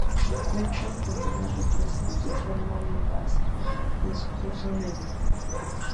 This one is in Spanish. Cuenta con una represa que forma un embalse en su curso medio.